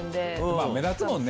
まぁ目立つもんね。